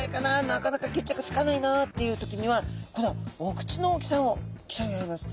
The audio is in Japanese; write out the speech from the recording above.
なかなか決着つかないなっていう時にはこのお口の大きさを競い合います。